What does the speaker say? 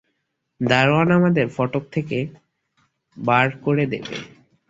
দরোয়ান আমাদের ফটক থেকে বার করে দেবে।